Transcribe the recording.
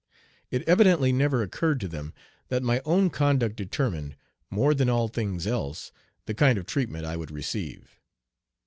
It evidently never occurred to them that my own conduct determined more than all things else the kind of treatment I would receive.